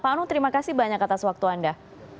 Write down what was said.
pak anung terima kasih banyak atas waktu anda